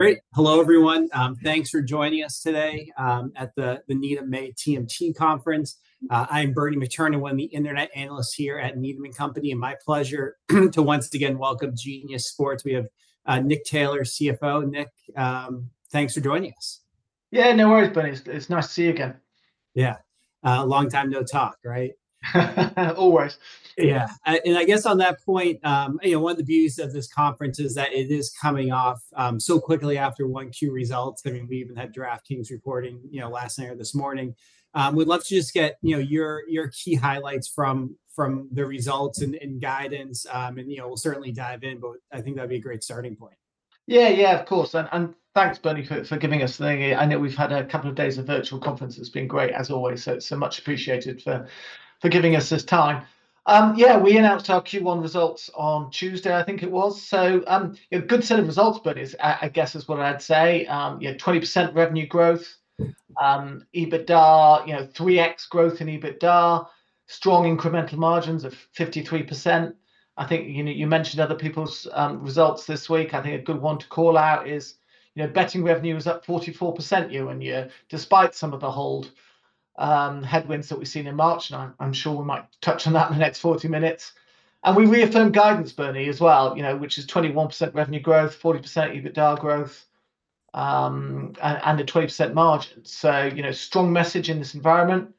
Great. Hello, everyone. Thanks for joining us today at the Needham TMT Conference. I am Bernie McTernan, one of the Internet Analysts here at Needham & Company, and my pleasure to once again welcome Genius Sports. We have Nick Taylor, CFO. Nick, thanks for joining us. Yeah, no worries, buddy. It's nice to see you again. Yeah. Long time no talk, right? Always. Yeah. I guess on that point, you know, one of the views of this conference is that it is coming off so quickly after one Q results. I mean, we even had DraftKings reporting, you know, last night or this morning. We'd love to just get, you know, your key highlights from the results and guidance, and, you know, we'll certainly dive in, but I think that'd be a great starting point. Yeah, yeah, of course. Thanks, Bernie, for giving us the thing. I know we've had a couple of days of virtual conference. It's been great, as always. Much appreciated for giving us this time. Yeah, we announced our Q1 results on Tuesday, I think it was. A good set of results, buddies, I guess, is what I'd say. You know, 20% revenue growth, EBITDA, you know, 3x growth in EBITDA, strong incremental margins of 53%. I think you mentioned other people's results this week. I think a good one to call out is, you know, betting revenue is up 44% year on year, despite some of the hold headwinds that we've seen in March. I'm sure we might touch on that in the next 40 minutes. We reaffirmed guidance, Bernie, as well, you know, which is 21% revenue growth, 40% EBITDA growth, and a 20% margin. You know, strong message in this environment.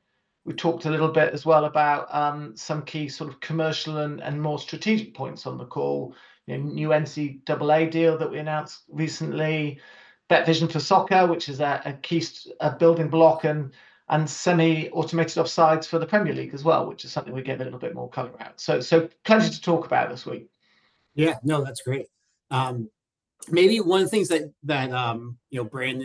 We talked a little bit as well about some key sort of commercial and more strategic points on the call, you know, new NCAA deal that we announced recently, that Betvision for soccer, which is a key building block, and semi-automated offsides for the Premier League as well, which is something we gave a little bit more color around. Plenty to talk about this week. Yeah, no, that's great. Maybe one of the things that Brandon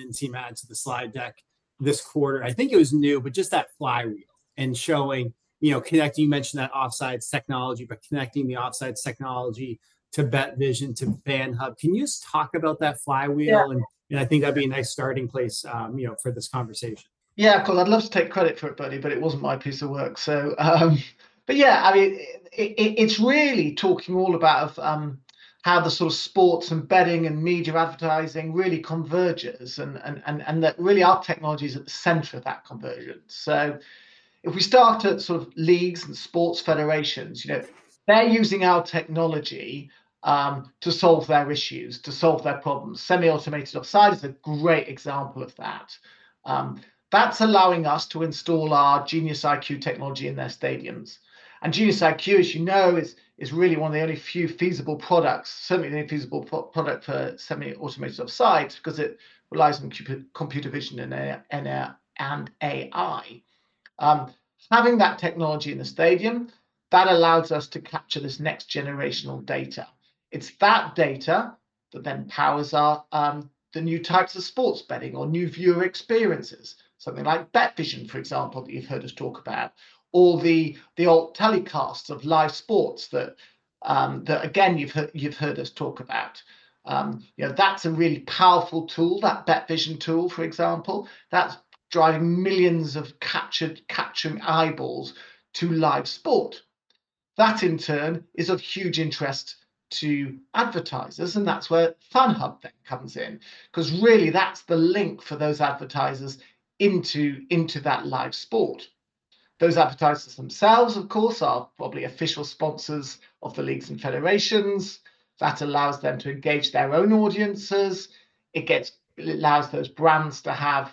and team added to the slide deck this quarter, I think it was new, but just that flywheel and showing, you know, connecting, you mentioned that offsides technology, but connecting the offsides technology to BetVision, to FANHub. Can you just talk about that flywheel? I think that'd be a nice starting place, you know, for this conversation. Yeah, cool. I'd love to take credit for it, buddy, but it wasn't my piece of work. But yeah, I mean, it's really talking all about how the sort of sports and betting and media advertising really converges, and that really our technology is at the center of that convergence. If we start at sort of leagues and sports federations, you know, they're using our technology to solve their issues, to solve their problems. Semi-automated offsides is a great example of that. That's allowing us to install our GeniusIQ technology in their stadiums. And GeniusIQ, as you know, is really one of the only few feasible products, certainly the only feasible product for semi-automated offsides, because it relies on computer vision and AI. Having that technology in the stadium, that allows us to capture this next generational data. It's that data that then powers the new types of sports betting or new viewer experiences, something like BetVision, for example, that you've heard us talk about, or the old telecasts of live sports that, again, you've heard us talk about. You know, that's a really powerful tool, that BetVision tool, for example, that's driving millions of capturing eyeballs to live sport. That, in turn, is of huge interest to advertisers, and that's where FANHub then comes in, because really that's the link for those advertisers into that live sport. Those advertisers themselves, of course, are probably official sponsors of the leagues and federations. That allows them to engage their own audiences. It allows those brands to have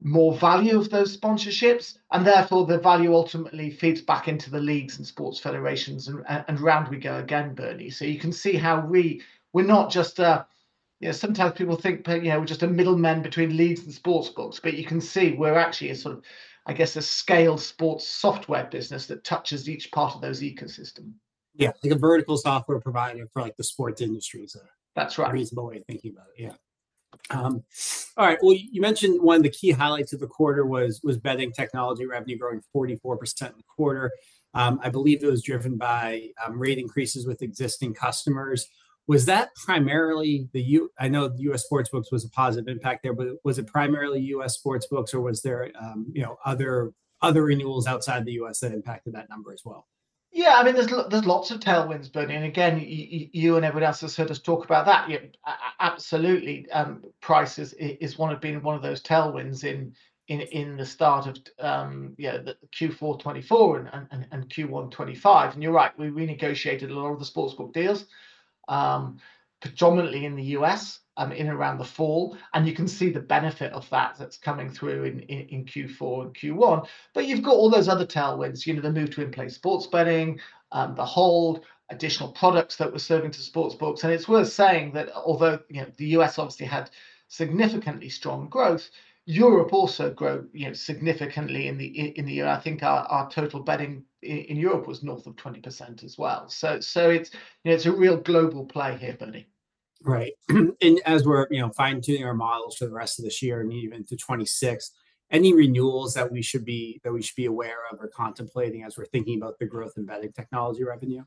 more value of those sponsorships, and therefore the value ultimately feeds back into the leagues and sports federations, and round we go again, Bernie. You can see how we're not just a, you know, sometimes people think, you know, we're just a middleman between leagues and sports books, but you can see we're actually a sort of, I guess, a scale sports software business that touches each part of those ecosystems. Yeah, like a vertical software provider for like the sports industry is a reasonable way of thinking about it. Yeah. All right, you mentioned one of the key highlights of the quarter was betting technology revenue growing 44% in the quarter. I believe it was driven by rate increases with existing customers. Was that primarily the, I know the U.S. Sports Books was a positive impact there, but was it primarily U.S. Sports Books, or was there, you know, other renewals outside the U.S. that impacted that number as well? Yeah, I mean, there's lots of tailwinds, Bernie. And again, you and everyone else has heard us talk about that. Absolutely. Price has been one of those tailwinds in the start of, you know, Q4 2024 and Q1 2025. And you're right, we renegotiated a lot of the sports book deals, predominantly in the U.S., in and around the fall. And you can see the benefit of that that's coming through in Q4 and Q1. But you've got all those other tailwinds, you know, the move to in-play sports betting, the hold, additional products that we're serving to sports books. And it's worth saying that although, you know, the U.S. obviously had significantly strong growth, Europe also grew significantly in the year. I think our total betting in Europe was north of 20% as well. So it's a real global play here, Bernie. Right. As we're, you know, fine-tuning our models for the rest of this year and even to 2026, any renewals that we should be aware of or contemplating as we're thinking about the growth in betting technology revenue?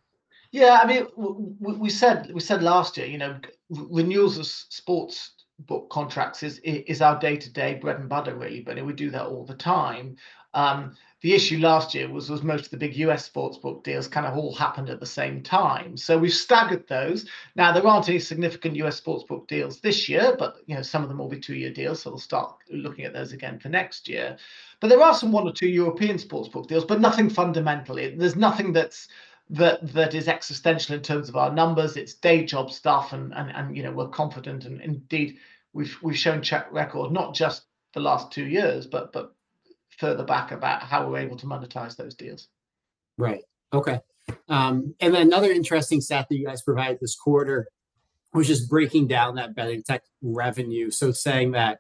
Yeah, I mean, we said last year, you know, renewals of sports book contracts is our day-to-day bread and butter, really, but we do that all the time. The issue last year was most of the big US sports book deals kind of all happened at the same time. We have staggered those. Now, there are not any significant US sports book deals this year, but, you know, some of them will be two-year deals, so we will start looking at those again for next year. There are one or two European sports book deals, but nothing fundamentally. There is nothing that is existential in terms of our numbers. It is day job stuff, and, you know, we are confident, and indeed, we have shown track record, not just the last two years, but further back about how we are able to monetize those deals. Right. Okay. Another interesting stat that you guys provided this quarter was just breaking down that betting tech revenue. Saying that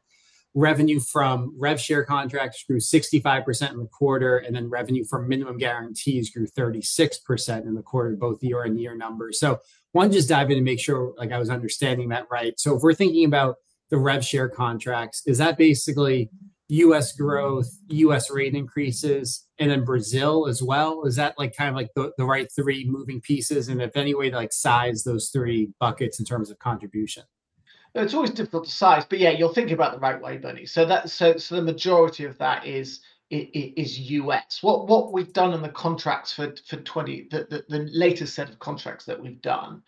revenue from rev share contracts grew 65% in the quarter, and then revenue from minimum guarantees grew 36% in the quarter, both year-on-year numbers. I want to just dive in and make sure I was understanding that right. If we're thinking about the rev share contracts, is that basically U.S. growth, U.S. rate increases, and then Brazil as well? Is that kind of like the right three moving pieces? Any way to size those three buckets in terms of contribution? It's always difficult to size, but yeah, you're thinking about the right way, Bernie. The majority of that is U.S. What we've done in the contracts for the latest set of contracts that we've done,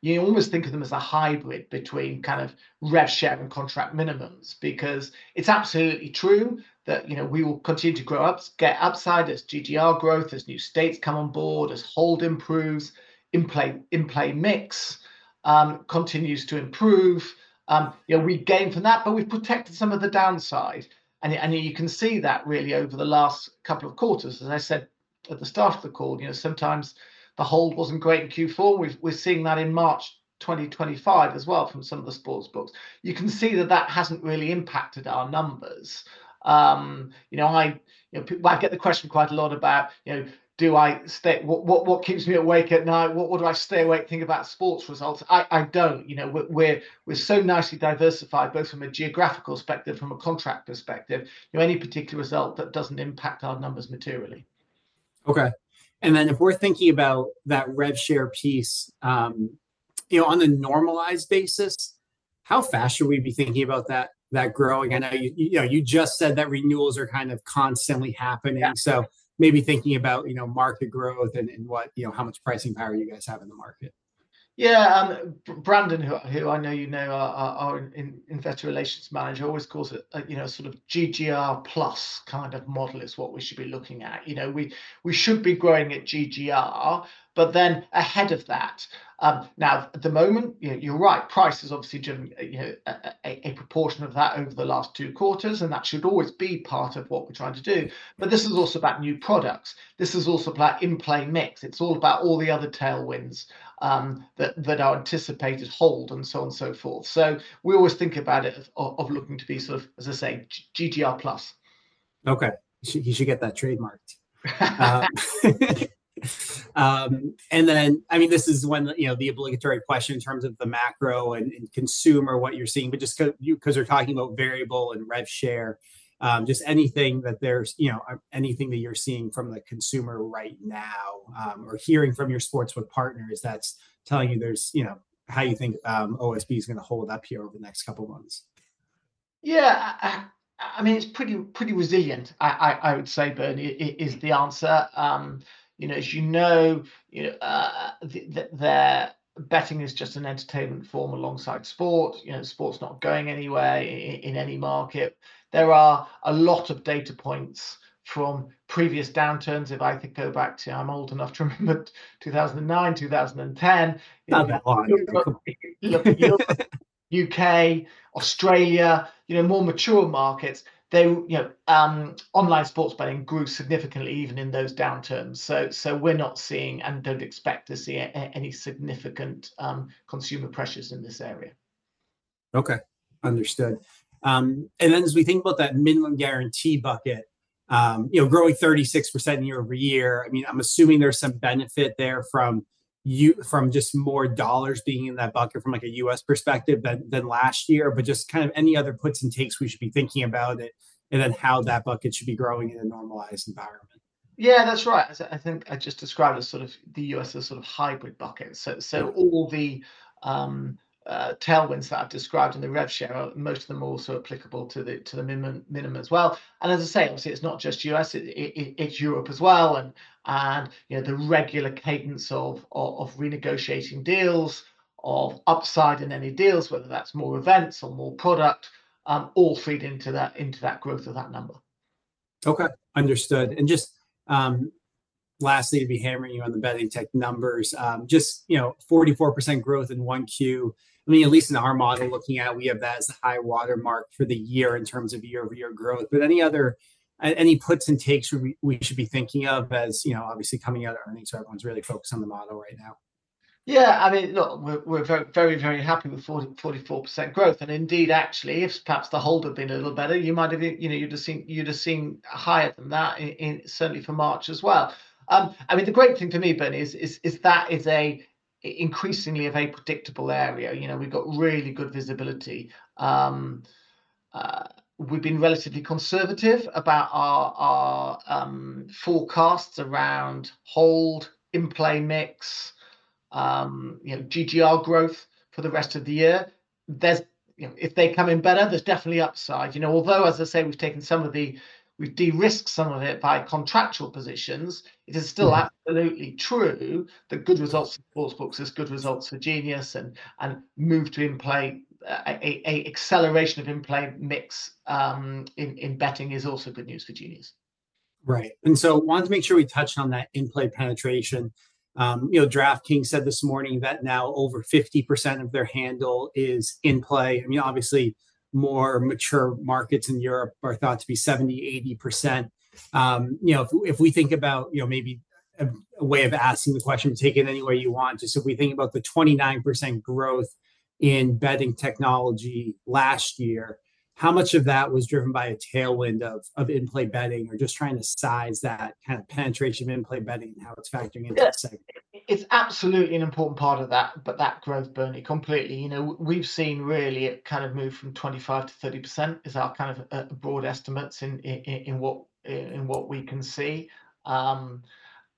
you almost think of them as a hybrid between kind of rev share and contract minimums, because it's absolutely true that, you know, we will continue to grow up, get upside as GGR growth, as new states come on board, as hold improves, in-play mix continues to improve. You know, we gain from that, but we've protected some of the downside. You can see that really over the last couple of quarters. As I said at the start of the call, you know, sometimes the hold wasn't great in Q4. We're seeing that in March 2025 as well from some of the sportsbooks. You can see that that hasn't really impacted our numbers. You know, I get the question quite a lot about, you know, do I stay? What keeps me awake at night? What do I stay awake thinking about sports results? I don't. You know, we're so nicely diversified, both from a geographical perspective, from a contract perspective. You know, any particular result that doesn't impact our numbers materially. Okay. If we're thinking about that rev share piece, you know, on a normalized basis, how fast should we be thinking about that growing? I know you just said that renewals are kind of constantly happening. Maybe thinking about, you know, market growth and how much pricing power you guys have in the market. Yeah, Brandon, who I know you know, our investor relations manager, always calls it, you know, a sort of GGR plus kind of model is what we should be looking at. You know, we should be growing at GGR, but then ahead of that. Now, at the moment, you're right, price has obviously driven a proportion of that over the last two quarters, and that should always be part of what we're trying to do. This is also about new products. This is also about in-play mix. It's all about all the other tailwinds that are anticipated hold and so on and so forth. We always think about it of looking to be sort of, as I say, GGR plus. Okay. You should get that trademarked. I mean, this is one, you know, the obligatory question in terms of the macro and consumer, what you're seeing, but just because you're talking about variable and rev share, just anything that there's, you know, anything that you're seeing from the consumer right now or hearing from your sportsbook partners that's telling you there's, you know, how you think OSB is going to hold up here over the next couple of months? Yeah, I mean, it's pretty resilient, I would say, Bernie, is the answer. You know, as you know, you know, betting is just an entertainment form alongside sport. You know, sport's not going anywhere in any market. There are a lot of data points from previous downturns. If I think go back to, I'm old enough to remember 2009, 2010, U.K., Australia, you know, more mature markets, you know, online sports betting grew significantly even in those downturns. So we're not seeing and don't expect to see any significant consumer pressures in this area. Okay, understood. As we think about that minimum guarantee bucket, you know, growing 36% year over year, I mean, I'm assuming there's some benefit there from just more dollars being in that bucket from like a US perspective than last year, but just kind of any other puts and takes we should be thinking about it and then how that bucket should be growing in a normalized environment? Yeah, that's right. I think I just described as sort of the U.S. as sort of hybrid bucket. All the tailwinds that I've described in the rev share, most of them are also applicable to the minimum as well. As I say, obviously, it's not just U.S., it's Europe as well. You know, the regular cadence of renegotiating deals, of upside in any deals, whether that's more events or more product, all feed into that growth of that number. Okay, understood. Just lastly, to be hammering you on the betting tech numbers, just, you know, 44% growth in Q1. I mean, at least in our model looking at it, we have that as a high watermark for the year in terms of year-over-year growth. Any other puts and takes we should be thinking of as, you know, obviously coming out of earnings? Everyone's really focused on the model right now. Yeah, I mean, look, we're very, very happy with 44% growth. And indeed, actually, if perhaps the hold had been a little better, you might have, you know, you'd have seen higher than that, certainly for March as well. I mean, the great thing for me, Bernie, is that is an increasingly of a predictable area. You know, we've got really good visibility. We've been relatively conservative about our forecasts around hold, in-play mix, you know, GGR growth for the rest of the year. If they come in better, there's definitely upside. You know, although, as I say, we've taken some of the, we've de-risked some of it by contractual positions, it is still absolutely true that good results for sportsbooks is good results for Genius, and move to in-play, an acceleration of in-play mix in betting is also good news for Genius. Right. And so I wanted to make sure we touched on that in-play penetration. You know, DraftKings said this morning that now over 50% of their handle is in-play. I mean, obviously, more mature markets in Europe are thought to be 70%-80%. You know, if we think about, you know, maybe a way of asking the question, take it any way you want, just if we think about the 29% growth in betting technology last year, how much of that was driven by a tailwind of in-play betting or just trying to size that kind of penetration of in-play betting and how it's factoring into the segment? It's absolutely an important part of that, but that growth, Bernie, completely. You know, we've seen really it kind of moved from 25%-30% is our kind of broad estimates in what we can see.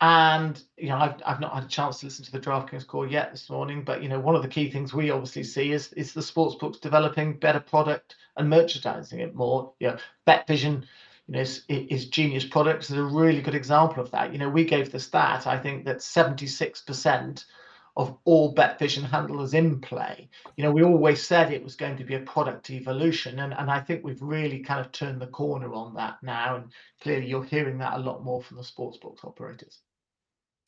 And, you know, I've not had a chance to listen to the DraftKings call yet this morning, but, you know, one of the key things we obviously see is the sports books developing better product and merchandising it more. You know, Betvision, you know, is Genius products is a really good example of that. You know, we gave the stat, I think that 76% of all BetVision handle is in-play. You know, we always said it was going to be a product evolution, and I think we've really kind of turned the corner on that now, and clearly you're hearing that a lot more from the sports book operators.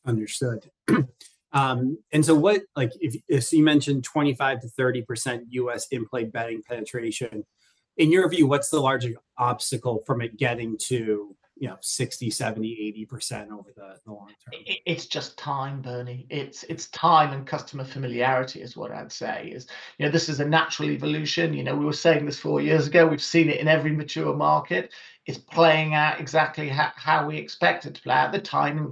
Understood. What, like, you mentioned 25%-30% U.S. in-play betting penetration. In your view, what's the largest obstacle from it getting to, you know, 60%, 70%, 80% over the long term? It's just time, Bernie. It's time and customer familiarity is what I'd say. You know, this is a natural evolution. You know, we were saying this four years ago. We've seen it in every mature market. It's playing out exactly how we expect it to play out. The timing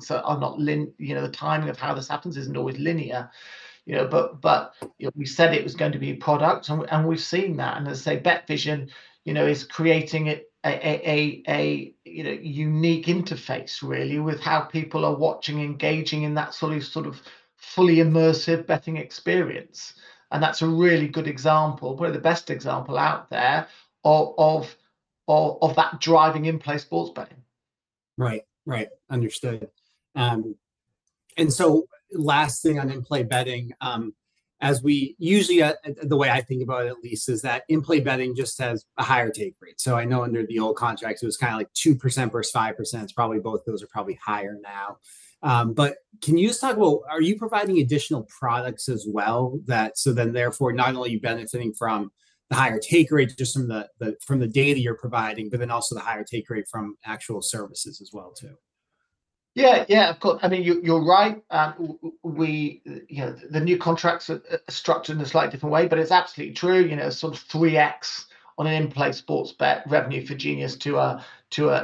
of how this happens isn't always linear. You know, but we said it was going to be product, and we've seen that. You know, Betvision is creating a unique interface really with how people are watching, engaging in that sort of fully immersive betting experience. That's a really good example, probably the best example out there of that driving in-play sports betting. Right, right. Understood. Last thing on in-play betting, as we usually, the way I think about it at least is that in-play betting just has a higher take rate. I know under the old contracts, it was kind of like 2% versus 5%. It's probably both of those are probably higher now. Can you just talk about, are you providing additional products as well? Therefore, not only are you benefiting from the higher take rate just from the data you're providing, but then also the higher take rate from actual services as well too. Yeah, yeah, of course. I mean, you're right. The new contracts are structured in a slightly different way, but it's absolutely true. You know, sort of 3x on an in-play sports bet revenue for Genius to a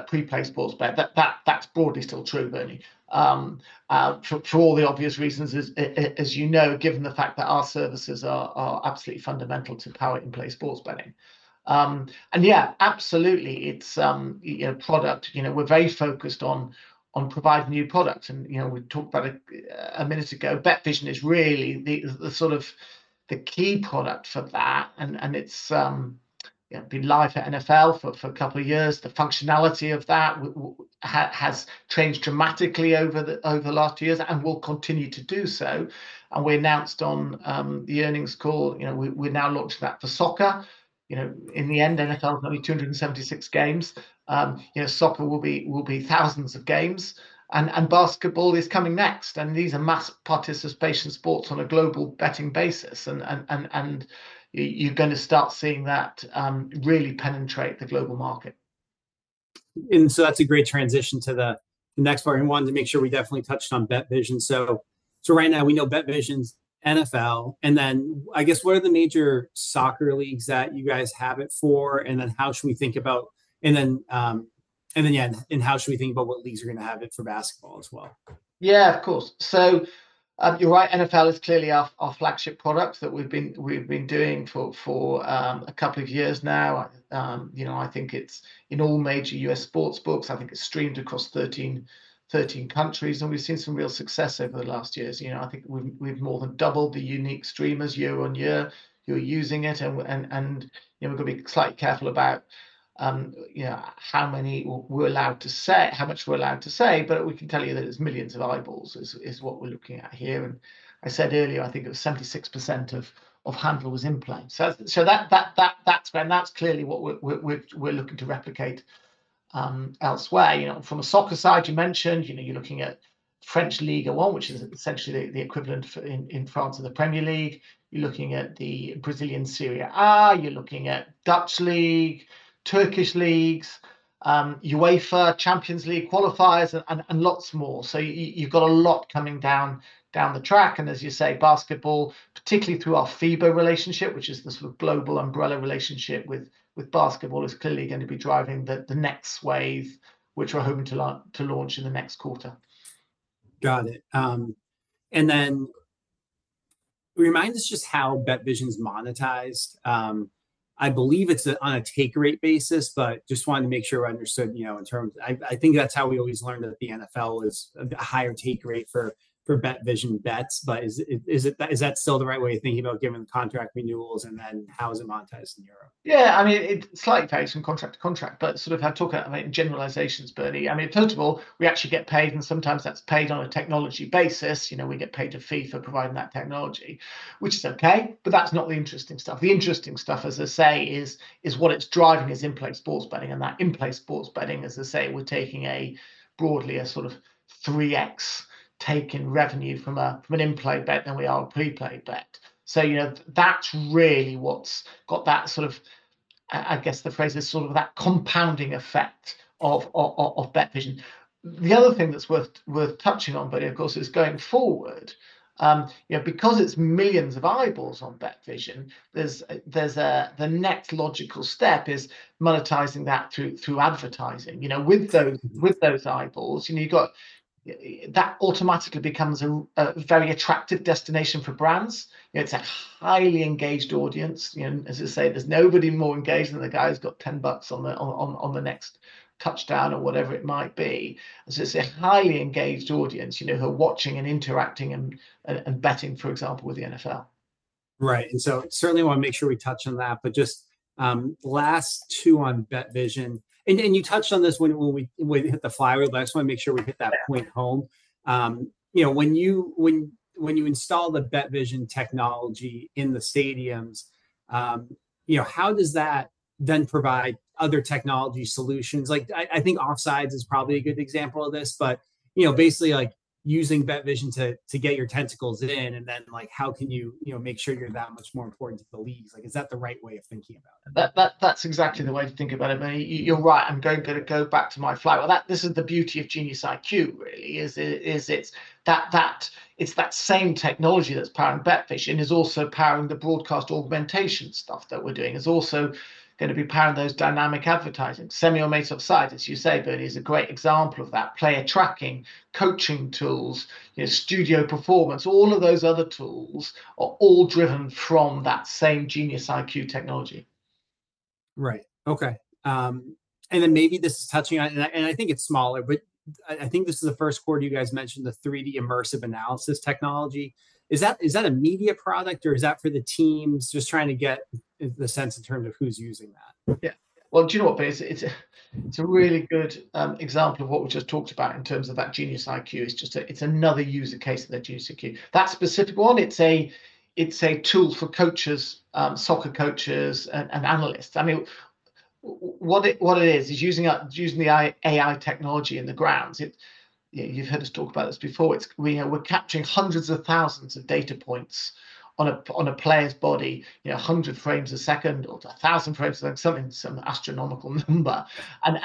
pre-play sports bet. That's broadly still true, Bernie, for all the obvious reasons, as you know, given the fact that our services are absolutely fundamental to power in-play sports betting. Yeah, absolutely. It's a product. You know, we're very focused on providing new products. You know, we talked about it a minute ago. BetVision is really the sort of the key product for that. It's been live for NFL for a couple of years. The functionality of that has changed dramatically over the last two years and will continue to do so. We announced on the earnings call, you know, we're now launching that for soccer. You know, in the end, NFL is only 276 games. You know, soccer will be thousands of games. Basketball is coming next. These are mass participation sports on a global betting basis. You are going to start seeing that really penetrate the global market. That is a great transition to the next part. I wanted to make sure we definitely touched on BetVision. Right now we know BetVision is NFL. I guess what are the major soccer leagues that you guys have it for? How should we think about what leagues are going to have it for basketball as well? Yeah, of course. So you're right. NFL is clearly our flagship product that we've been doing for a couple of years now. You know, I think it's in all major US sports books. I think it's streamed across 13 countries. And we've seen some real success over the last years. You know, I think we've more than doubled the unique streamers year on year. You're using it. And we've got to be slightly careful about, you know, how many we're allowed to say, how much we're allowed to say. But we can tell you that it's millions of eyeballs is what we're looking at here. I said earlier, I think it was 76% of handle was in-play. So that's clearly what we're looking to replicate elsewhere. You know, from a soccer side, you mentioned, you know, you're looking at French Ligue 1, which is essentially the equivalent in France of the Premier League. You're looking at the Brazilian Serie A. You're looking at Dutch league, Turkish leagues, UEFA Champions League qualifiers, and lots more. You have a lot coming down the track. As you say, basketball, particularly through our FIBA relationship, which is the sort of global umbrella relationship with basketball, is clearly going to be driving the next wave, which we're hoping to launch in the next quarter. Got it. Remind us just how BetVision's monetized. I believe it's on a take rate basis, but just wanted to make sure we understood, you know, in terms of, I think that's how we always learned that the NFL is a higher take rate for BetVision bets. Is that still the right way of thinking about it given the contract renewals, and then how is it monetized in Europe? Yeah, I mean, it slightly varies from contract to contract, but sort of had to talk about generalizations, Bernie. I mean, first of all, we actually get paid, and sometimes that's paid on a technology basis. You know, we get paid a fee for providing that technology, which is okay, but that's not the interesting stuff. The interesting stuff, as I say, is what it's driving is in-play sports betting. That in-play sports betting, as I say, we're taking broadly a sort of 3x take in revenue from an in-play bet than we are a pre-play bet. You know, that's really what's got that sort of, I guess the phrase is sort of that compounding effect of BetVision. The other thing that's worth touching on, Bernie, of course, is going forward. You know, because it is millions of eyeballs on BetVision, the next logical step is monetizing that through advertising. You know, with those eyeballs, you know, that automatically becomes a very attractive destination for brands. You know, it is a highly engaged audience. You know, as I say, there is nobody more engaged than the guy who has got $10 on the next touchdown or whatever it might be. It is a highly engaged audience, you know, who are watching and interacting and betting, for example, with the NFL. Right. I certainly want to make sure we touch on that, but just last two on BetVision. You touched on this when we hit the flywheel, but I just want to make sure we hit that point home. You know, when you install the BetVision technology in the stadiums, you know, how does that then provide other technology solutions? Like, I think offsides is probably a good example of this, but, you know, basically like using BetVision to get your tentacles in and then like how can you, you know, make sure you're that much more important to the leagues? Like, is that the right way of thinking about it? That's exactly the way to think about it, Bernie. You're right. I'm going to go back to my flywheel. This is the beauty of GeniusIQ, really, is that it's that same technology that's powering BetVision is also powering the broadcast augmentation stuff that we're doing. It's also going to be powering those dynamic advertising. Semi-Automated Offside, as you say, Bernie, is a great example of that. Player tracking, coaching tools, you know, Performance Studio, all of those other tools are all driven from that same GeniusIQ technology. Right. Okay. Maybe this is touching on, and I think it's smaller, but I think this is the first quarter you guys mentioned the 3D Immersive Analysis technology. Is that a media product or is that for the teams just trying to get the sense in terms of who's using that? Yeah. Do you know what, Bernie? It's a really good example of what we just talked about in terms of that GeniusIQ. It's just another user case of the GeniusIQ. That specific one, it's a tool for coaches, soccer coaches, and analysts. I mean, what it is, is using the AI technology in the grounds. You've heard us talk about this before. We're capturing hundreds of thousands of data points on a player's body, you know, 100 frames a second or 1,000 frames a second, something, some astronomical number.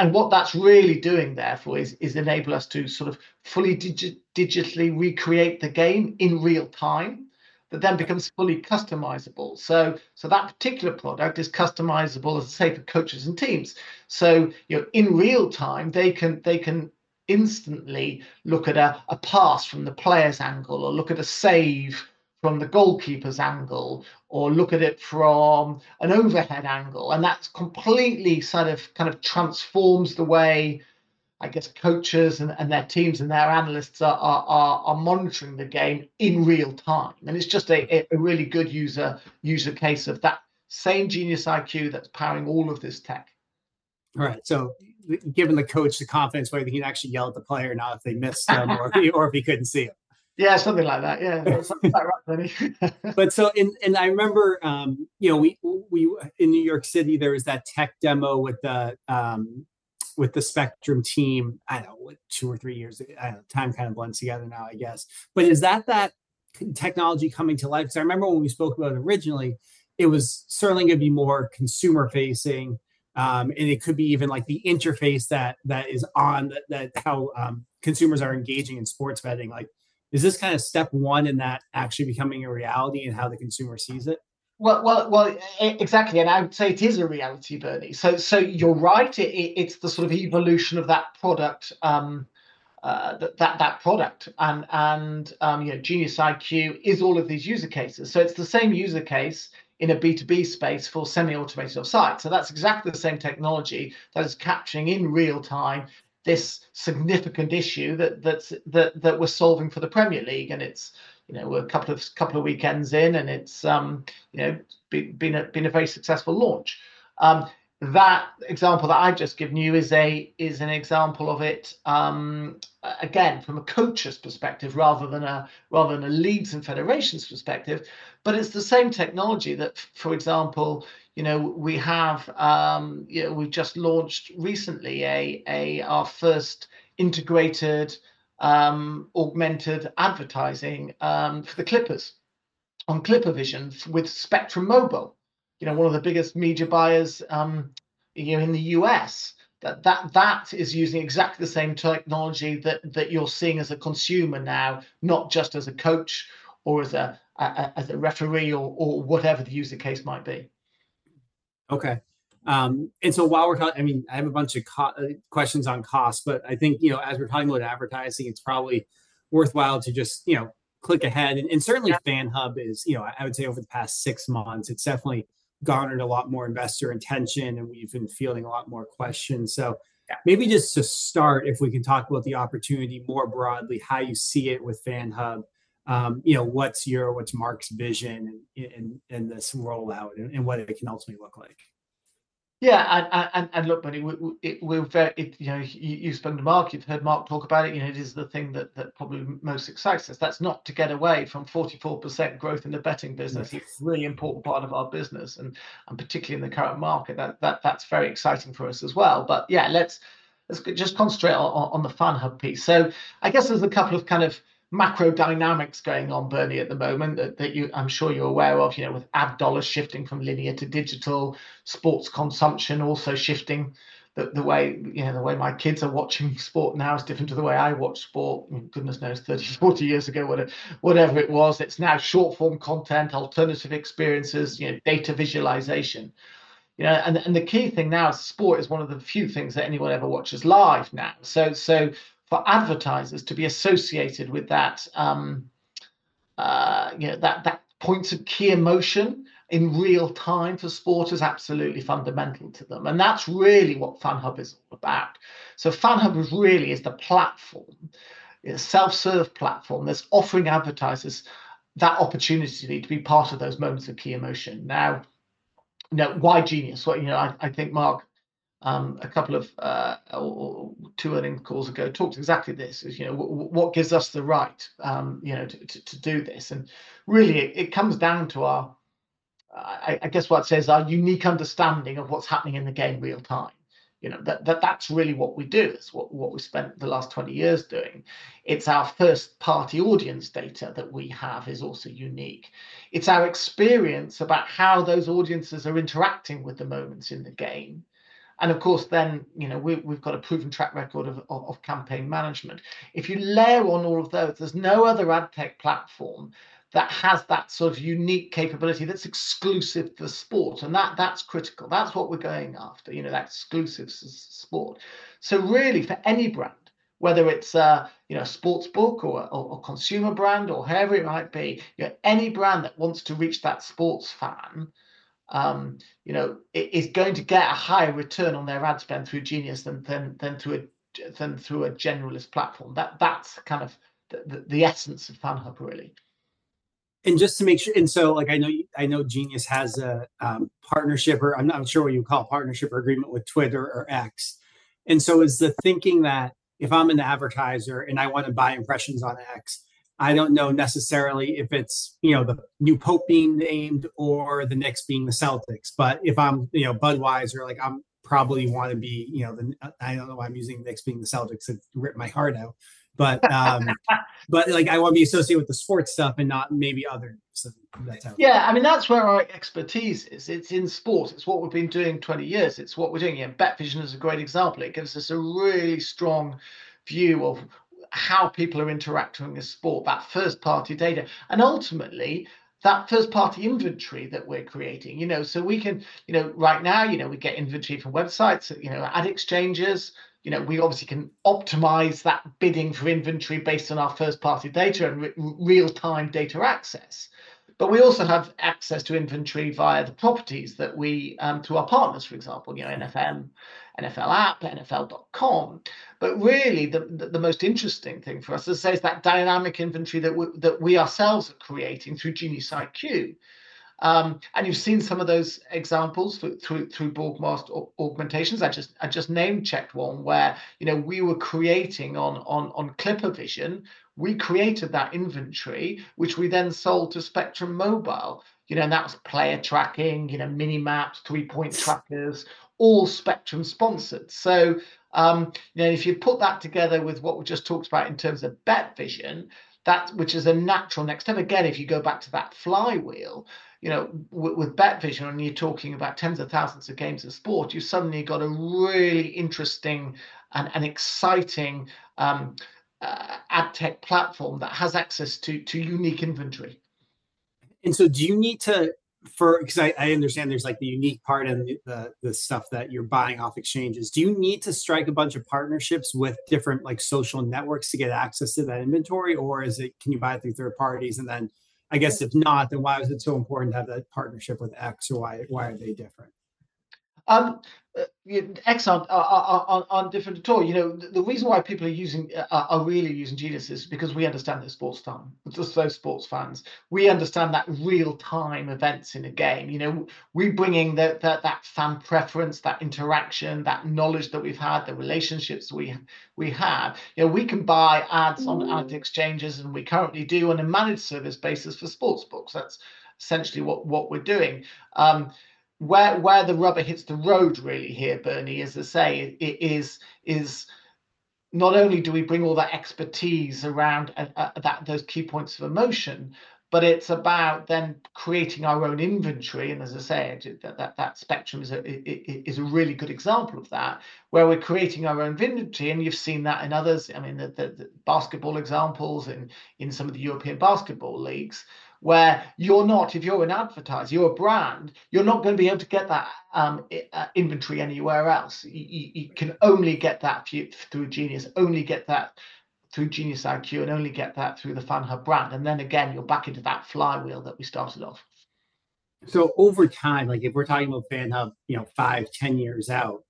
What that's really doing therefore is enable us to sort of fully digitally recreate the game in real time, but then becomes fully customizable. That particular product is customizable, as I say, for coaches and teams. You know, in real time, they can instantly look at a pass from the player's angle or look at a save from the goalkeeper's angle or look at it from an overhead angle. That completely sort of kind of transforms the way, I guess, coaches and their teams and their analysts are monitoring the game in real time. It is just a really good user case of that same GeniusIQ that is powering all of this tech. All right. So giving the coach the confidence where he can actually yell at the player now if they missed him or if he could not see him. Yeah, something like that. Yeah, something like that, Bernie. I remember, you know, in New York City, there was that tech demo with the Spectrum team, I do not know, two or three years. Time kind of blends together now, I guess. Is that technology coming to life? Because I remember when we spoke about it originally, it was certainly going to be more consumer-facing, and it could be even like the interface that is on how consumers are engaging in sports betting. Like, is this kind of step one in that actually becoming a reality and how the consumer sees it? Exactly. I would say it is a reality, Bernie. You're right. It's the sort of evolution of that product. You know, GeniusIQ is all of these user cases. It's the same user case in a B2B space for semi-automated offsides. That's exactly the same technology that is capturing in real time this significant issue that we're solving for the Premier League. You know, we're a couple of weekends in, and it's been a very successful launch. That example that I just gave you is an example of it, again, from a coach's perspective rather than a league's and federation's perspective. It's the same technology that, for example, you know, we've just launched recently our first integrated augmented advertising for the Clippers on Clipper Vision with Spectrum Mobile, you know, one of the biggest media buyers, you know, in the US, that is using exactly the same technology that you're seeing as a consumer now, not just as a coach or as a referee or whatever the user case might be. Okay. While we're talking, I mean, I have a bunch of questions on costs, but I think, you know, as we're talking about advertising, it's probably worthwhile to just, you know, click ahead. Certainly FANHub is, you know, I would say over the past six months, it's definitely garnered a lot more investor attention, and we've been fielding a lot more questions. Maybe just to start, if we can talk about the opportunity more broadly, how you see it with FANHub, you know, what's your, what's Mark's vision and this rollout and what it can ultimately look like? Yeah. Look, Bernie, you've spun the market. You've heard Mark talk about it. You know, it is the thing that probably most excites us. That's not to get away from 44% growth in the betting business. It's a really important part of our business, and particularly in the current market. That's very exciting for us as well. Yeah, let's just concentrate on the FANHub piece. I guess there's a couple of kind of macro dynamics going on, Bernie, at the moment that I'm sure you're aware of, you know, with ad dollars shifting from linear to digital, sports consumption also shifting. The way, you know, the way my kids are watching sport now is different to the way I watch sport. Goodness knows, 30, 40 years ago, whatever it was. It's now short-form content, alternative experiences, you know, data visualization. You know, and the key thing now is sport is one of the few things that anyone ever watches live now. For advertisers to be associated with that, you know, that points of key emotion in real time for sport is absolutely fundamental to them. That is really what FANHub is all about. FANHub really is the platform, self-serve platform that's offering advertisers that opportunity to be part of those moments of key emotion. Now, you know, why Genius? You know, I think Mark, a couple of two earning calls ago, talked exactly this. You know, what gives us the right, you know, to do this? It really comes down to our, I guess what I'd say is our unique understanding of what's happening in the game real time. You know, that's really what we do, is what we spent the last 20 years doing. It's our first-party audience data that we have is also unique. It's our experience about how those audiences are interacting with the moments in the game. Of course, then, you know, we've got a proven track record of campaign management. If you layer on all of those, there's no other ad tech platform that has that sort of unique capability that's exclusive for sport. That's critical. That's what we're going after, you know, that exclusive sport. Really, for any brand, whether it's, you know, a sports book or a consumer brand or whoever it might be, you know, any brand that wants to reach that sports fan, you know, is going to get a higher return on their ad spend through Genius than through a generalist platform. That's kind of the essence of FANHub, really. Just to make sure, I know Genius has a partnership, or I'm not sure what you call it, partnership or agreement with X. Is the thinking that if I'm an advertiser and I want to buy impressions on X, I don't know necessarily if it's, you know, the new Pope being named or the Knicks beat Celtics. If I'm, you know, Budweiser, I probably want to be, you know, I don't know why I'm using Knicks beat Celtics. It ripped my heart out. I want to be associated with the sports stuff and not maybe other news. Yeah. I mean, that's where our expertise is. It's in sports. It's what we've been doing 20 years. It's what we're doing. And BetVision is a great example. It gives us a really strong view of how people are interacting with sport, that first-party data. And ultimately, that first-party inventory that we're creating, you know, so we can, you know, right now, you know, we get inventory from websites, you know, ad exchanges. You know, we obviously can optimize that bidding for inventory based on our first-party data and real-time data access. We also have access to inventory via the properties that we through our partners, for example, you know, NFL, NFL app, NFL.com. The most interesting thing for us, as I say, is that dynamic inventory that we ourselves are creating through GeniusIQ. And you've seen some of those examples through broadcast augmentations. I just name-checked one where, you know, we were creating on ClipperVision. We created that inventory, which we then sold to Spectrum Mobile. You know, and that was player tracking, you know, mini maps, three-point trackers, all Spectrum sponsored. You know, if you put that together with what we just talked about in terms of BetVision, which is a natural next step, again, if you go back to that flywheel, you know, with BetVision, and you're talking about tens of thousands of games of sport, you've suddenly got a really interesting and exciting ad tech platform that has access to unique inventory. Do you need to, for, because I understand there's like the unique part and the stuff that you're buying off exchanges, do you need to strike a bunch of partnerships with different like social networks to get access to that inventory, or can you buy it through third parties? I guess if not, then why was it so important to have that partnership with X or why are they different? Excellent. On different tool, you know, the reason why people are really using Genius is because we understand the sports time, the slow sports fans. We understand that real-time events in a game. You know, we're bringing that fan preference, that interaction, that knowledge that we've had, the relationships we have. You know, we can buy ads on ad exchanges, and we currently do on a managed service basis for sportsbooks. That's essentially what we're doing. Where the rubber hits the road really here, Bernie, as I say, is not only do we bring all that expertise around those key points of emotion, but it's about then creating our own inventory. As I say, that Spectrum is a really good example of that, where we're creating our own inventory. You have seen that in others, I mean, the basketball examples in some of the European basketball leagues, where you are not, if you are an advertiser, you are a brand, you are not going to be able to get that inventory anywhere else. You can only get that through Genius, only get that through GeniusIQ, and only get that through the FANHub brand. Then again, you are back into that flywheel that we started off. Over time, like if we're talking about FANHub, you know, five, ten years out,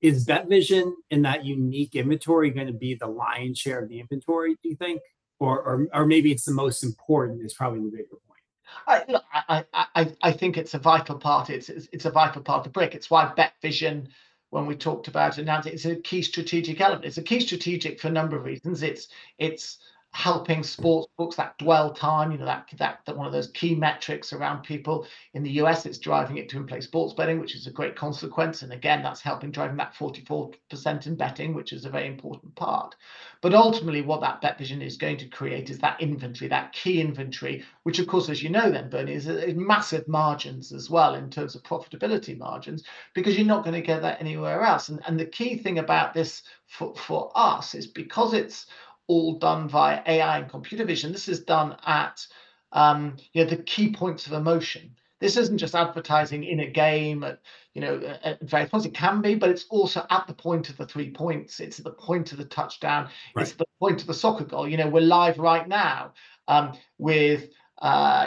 is that vision and that unique inventory going to be the lion's share of the inventory, do you think? Or maybe it's the most important, is probably the bigger point. I think it's a vital part. It's a vital part of the brick. It's why BetVision, when we talked about it, now it's a key strategic element. It's a key strategic for a number of reasons. It's helping sportsbooks, that dwell time, you know, that one of those key metrics around people in the U.S., it's driving it to in-play sports betting, which is a great consequence. Again, that's helping drive that 44% in betting, which is a very important part. Ultimately, what that BetVision is going to create is that inventory, that key inventory, which of course, as you know then, Bernie, is massive margins as well in terms of profitability margins, because you're not going to get that anywhere else. The key thing about this for us is because it's all done via AI and computer vision, this is done at, you know, the key points of emotion. This isn't just advertising in a game at various points. It can be, but it's also at the point of the three points. It's at the point of the touchdown. It's at the point of the soccer goal. You know, we're live right now with,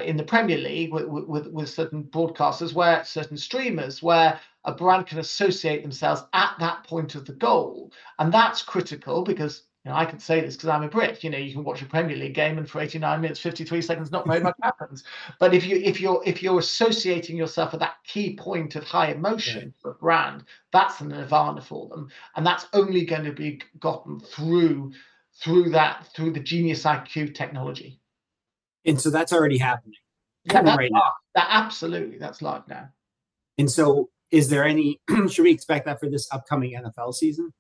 in the Premier League, with certain broadcasters, certain streamers, where a brand can associate themselves at that point of the goal. That's critical because, you know, I can say this because I'm a Brit. You know, you can watch a Premier League game and for 89 minutes and 53 seconds, not very much happens. If you're associating yourself at that key point of high emotion for a brand, that's an advantage for them. That is only going to be gotten through that, through the GeniusIQ technology. That is already happening. That's live. Absolutely. That's live now. Is there any, should we expect that for this upcoming NFL season? Look,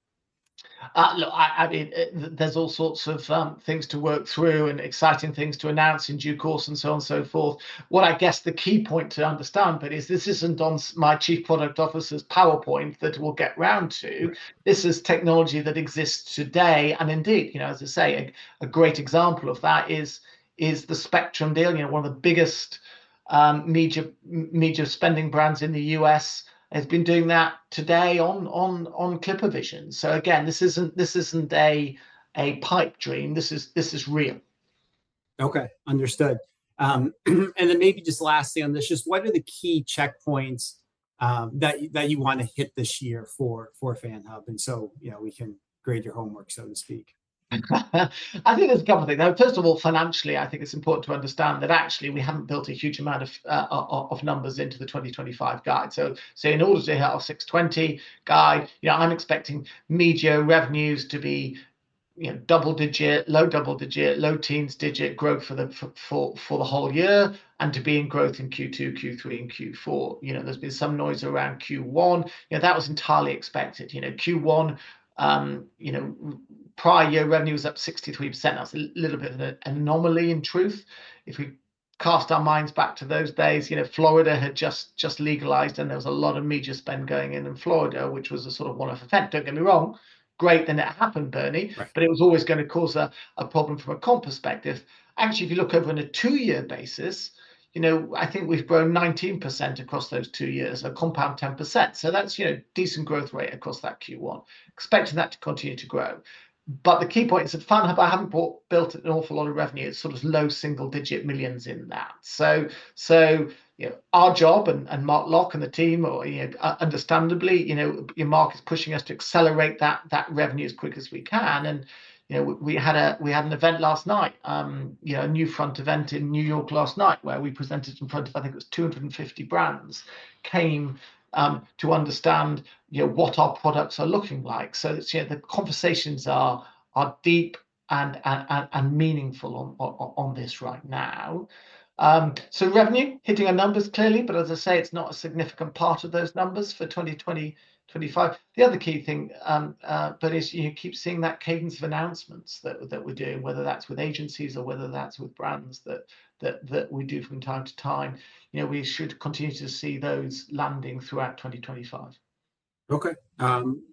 I mean, there's all sorts of things to work through and exciting things to announce in due course and so on and so forth. What I guess the key point to understand, Bernie, is this isn't on my Chief Product Officer's PowerPoint that we'll get round to. This is technology that exists today. And indeed, you know, as I say, a great example of that is the Spectrum deal. You know, one of the biggest media spending brands in the US has been doing that today on ClipperVision. So again, this isn't a pipe dream. This is real. Okay. Understood. Maybe just lastly on this, just what are the key checkpoints that you want to hit this year for FANHub? You know, we can grade your homework, so to speak. I think there's a couple of things. First of all, financially, I think it's important to understand that actually we haven't built a huge amount of numbers into the 2025 guide. In order to hit our 620 guide, you know, I'm expecting media revenues to be, you know, double digit, low double digit, low teens digit growth for the whole year and to be in growth in Q2, Q3, and Q4. You know, there's been some noise around Q1. You know, that was entirely expected. Q1, you know, prior year revenue was up 63%. That's a little bit of an anomaly in truth. If we cast our minds back to those days, you know, Florida had just legalized and there was a lot of media spend going in in Florida, which was a sort of one-off event. Don't get me wrong. Great. Then it happened, Bernie. It was always going to cause a problem from a comp perspective. Actually, if you look over on a two-year basis, you know, I think we've grown 19% across those two years, a compound 10%. So that's, you know, decent growth rate across that Q1. Expecting that to continue to grow. The key point is that FANHub, I haven't built an awful lot of revenue. It's sort of low single-digit millions in that. Our job and Mark Locke and the team, you know, understandably, you know, your market's pushing us to accelerate that revenue as quick as we can. You know, we had an event last night, you know, a new front event in New York last night, where we presented in front of, I think it was 250 brands, came to understand, you know, what our products are looking like. The conversations are deep and meaningful on this right now. Revenue hitting our numbers clearly, but as I say, it's not a significant part of those numbers for 2020, 2025. The other key thing, Bernie, is you keep seeing that cadence of announcements that we're doing, whether that's with agencies or whether that's with brands that we do from time to time. You know, we should continue to see those landing throughout 2025. Okay.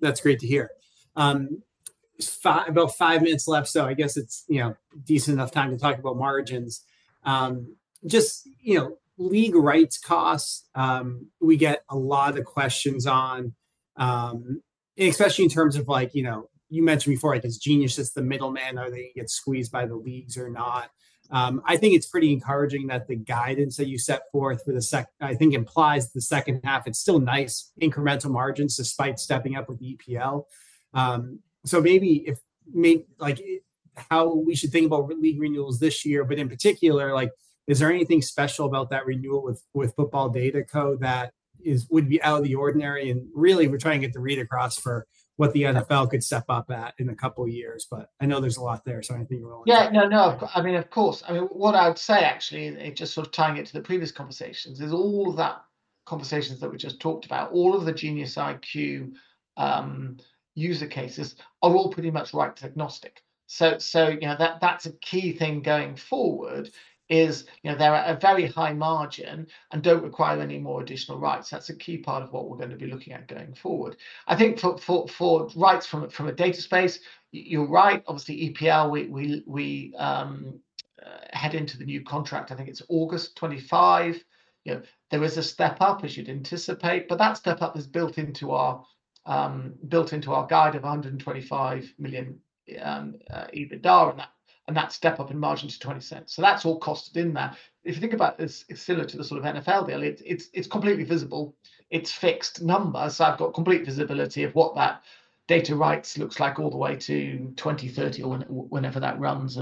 That's great to hear. About five minutes left, so I guess it's, you know, decent enough time to talk about margins. Just, you know, league rights costs, we get a lot of questions on, and especially in terms of like, you know, you mentioned before, I guess Genius is the middleman or they get squeezed by the leagues or not. I think it's pretty encouraging that the guidance that you set forth for the second, I think implies the second half, it's still nice incremental margins despite stepping up with the EPL. Maybe if, like how we should think about league renewals this year, but in particular, like is there anything special about that renewal with football data, Code, that would be out of the ordinary? Really, we're trying to get the read across for what the NFL could step up at in a couple of years. I know there's a lot there, so I think you're all right. Yeah. No, no. I mean, of course. I mean, what I would say actually, just sort of tying it to the previous conversations, is all of that conversations that we just talked about, all of the GeniusIQ user cases are all pretty much rights agnostic. You know, that's a key thing going forward is, you know, they're at a very high margin and do not require any more additional rights. That's a key part of what we're going to be looking at going forward. I think for rights from a data space, you're right, obviously EPL, we head into the new contract. I think it's August 2025. You know, there was a step up, as you'd anticipate, but that step up is built into our guide of $125 million EBITDA and that step up in margin to $0.20. That's all costed in there. If you think about it, it's similar to the sort of NFL deal. It's completely visible. It's fixed numbers. I've got complete visibility of what that data rights looks like all the way to 2030 or whenever that runs.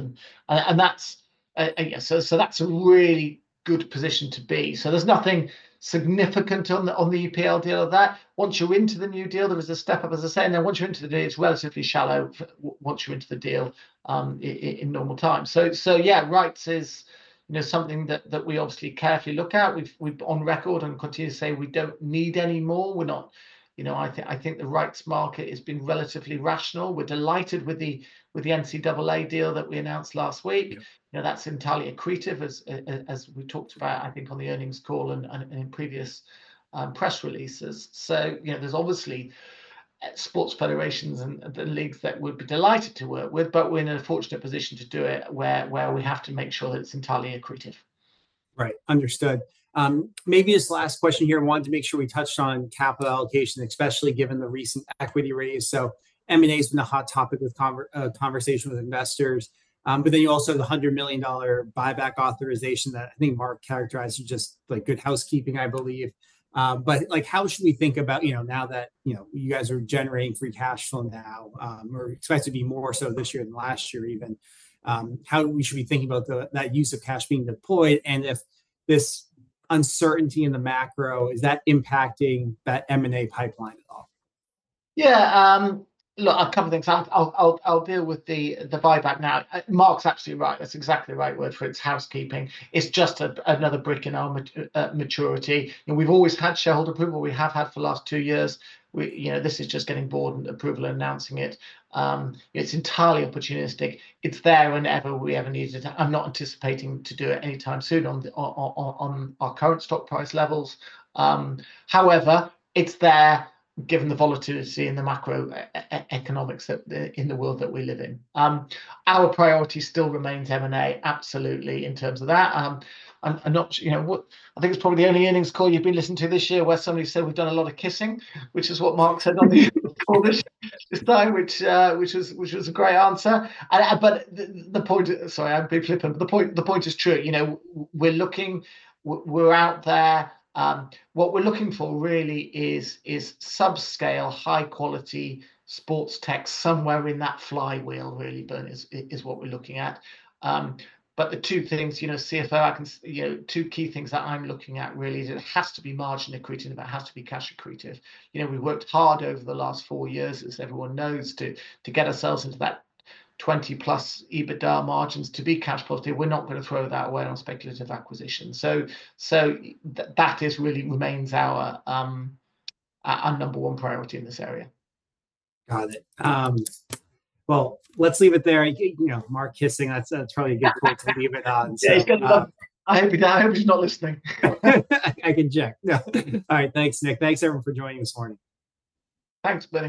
Yeah, so that's a really good position to be. There's nothing significant on the EPL deal of that. Once you're into the new deal, there was a step up, as I say. Once you're into the deal, it's relatively shallow once you're into the deal in normal time. Rights is, you know, something that we obviously carefully look at. We've on record and continue to say we don't need any more. We're not, you know, I think the rights market has been relatively rational. We're delighted with the NCAA deal that we announced last week. You know, that's entirely accretive, as we talked about, I think, on the earnings call and in previous press releases. You know, there's obviously sports federations and leagues that we would be delighted to work with, but we're in an unfortunate position to do it where we have to make sure that it's entirely accretive. Right. Understood. Maybe this last question here, I wanted to make sure we touched on capital allocation, especially given the recent equity raise. M&A has been a hot topic with conversation with investors. You also have the $100 million buyback authorization that I think Mark characterized as just like good housekeeping, I believe. How should we think about, you know, now that, you know, you guys are generating free cash flow now, or expect to be more so this year than last year even? How should we be thinking about that use of cash being deployed? If this uncertainty in the macro, is that impacting that M&A pipeline at all? Yeah. Look, a couple of things. I'll deal with the buyback now. Mark's absolutely right. That's exactly the right word for it, it's housekeeping. It's just another brick in our maturity. You know, we've always had shareholder approval. We have had for the last two years. You know, this is just getting board approval and announcing it. It's entirely opportunistic. It's there whenever we ever needed it. I'm not anticipating to do it anytime soon on our current stock price levels. However, it's there given the volatility in the macroeconomics in the world that we live in. Our priority still remains M&A, absolutely in terms of that. I think it's probably the only earnings call you've been listening to this year where somebody said, "We've done a lot of kissing," which is what Mark said on the call this time, which was a great answer. Sorry, I'm being flippant, but the point is true. You know, we're looking, we're out there. What we're looking for really is subscale, high-quality sports tech somewhere in that flywheel really, Bernie, is what we're looking at. The two things, you know, CFO, I can, you know, two key things that I'm looking at really is it has to be margin accretive. It has to be cash accretive. You know, we worked hard over the last four years, as everyone knows, to get ourselves into that 20%+ EBITDA margins to be cash positive. We're not going to throw that away on speculative acquisition. That really remains our number one priority in this area. Got it. Let's leave it there. You know, Mark, I think that's probably a good point to leave it on. Hey, I hope he's not listening. I can check. All right. Thanks, Nick. Thanks everyone for joining this morning. Thanks, Bernie.